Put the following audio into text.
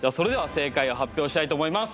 正解を発表したいと思います